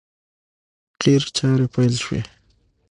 قیر چارې پیل شوې!